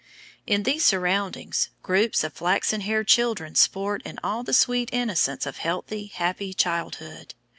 In these surroundings, groups of flaxen haired children sport in all the sweet innocence of healthy, happy childhood.